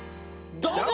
どうぞ！